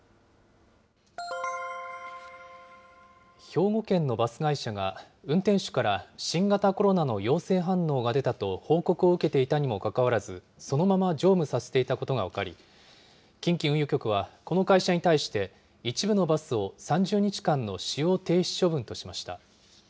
兵庫県のバス会社が、運転手から新型コロナの陽性反応が出たと報告を受けていたにもかかわらず、そのまま乗務させていたことが分かり、近畿運輸局はこの会社に対して、一部のバスを３０日間の使用停止処分としました。